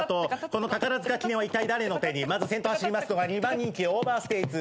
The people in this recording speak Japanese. この宝塚記念はいったい誰の手にまず先頭走りますのが二番人気オーバーステイツ。